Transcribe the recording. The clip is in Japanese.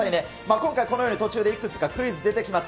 今回、このように途中でいくつかクイズ出てきます。